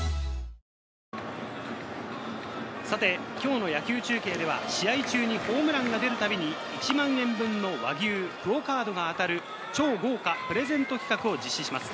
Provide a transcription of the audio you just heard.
このあたりは、今日の野球中継では試合中にホームランが出るたびに１万円分の和牛、ＱＵＯカードが当たる超豪華プレゼント企画を実施します。